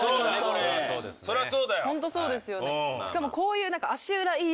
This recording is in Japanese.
これホントそうですよね